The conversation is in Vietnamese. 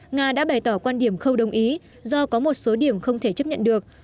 nga đã bày tỏ quan điểm không đồng ý do có một số điểm không thể chấp nhận được